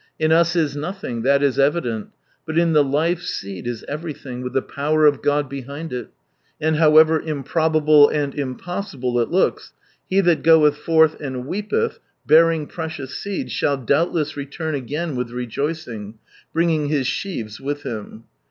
In us is nothing : that is evident ; but in tlie life seed is everything, " with the power of God behind it ;" and however impro bable and impossible it looks, "he that goeth forth and weepeth, bearing precious seed, s/ia/l doubtless return again with rejoicing, bringing his sheaves with him."